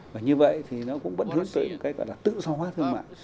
và như vậy thì nó cũng vẫn hướng tới một cái gọi là tự so hóa thương mại